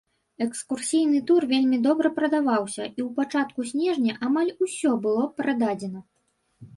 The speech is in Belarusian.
Экскурсійны тур вельмі добра прадаваўся, і ў пачатку снежня амаль усё было прададзена.